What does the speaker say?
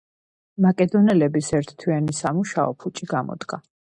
მაკედონელების ერთთვიანი სამუშაო ფუჭი გამოდგა.